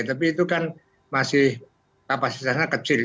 tapi itu kan masih kapasitasnya kecil